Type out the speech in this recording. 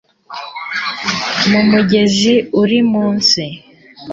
Mu mugezi uri munsi